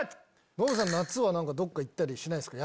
ノブさん夏はどっか行ったりしないっすか？